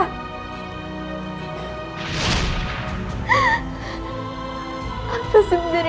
apa sebenarnya yang terjadi